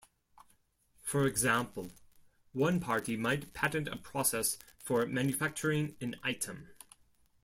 For example, one party might patent a process for manufacturing an item.